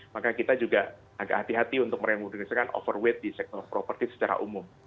maka kita juga agak hati hati untuk meremut indonesia kan overweight di sektor properti secara umum